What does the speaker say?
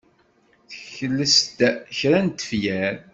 Tekles-d kra n tefyar.